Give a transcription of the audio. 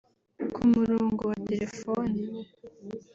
Ku murongo wa Telefone